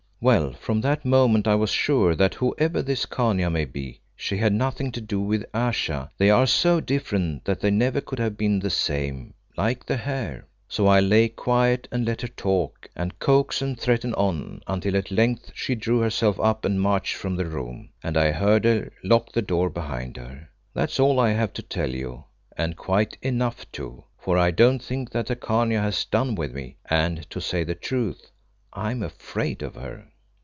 "Well, from that moment I was sure that whoever this Khania may be, she had nothing to do with Ayesha; they are so different that they never could have been the same like the hair. So I lay quiet and let her talk, and coax, and threaten on, until at length she drew herself up and marched from the room, and I heard her lock the door behind her. That's all I have to tell you, and quite enough too, for I don't think that the Khania has done with me, and, to say the truth, I am afraid of her."